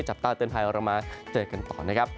จับตาเตือนไพรออกลังมาเจอกันต่อนะครับ